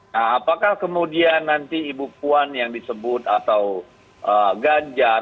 nah apakah kemudian nanti ibu puan yang disebut atau ganjar